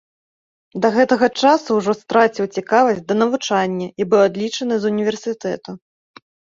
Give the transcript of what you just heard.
Да гэтага часу ўжо страціў цікавасць да навучання і быў адлічаны з універсітэту.